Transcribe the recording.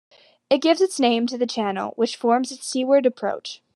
It gives its name to the Channel, which forms its seaward approach.